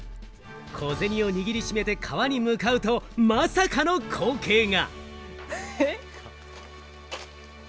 小銭を握り締めて川に向かうと、まさかの光景が！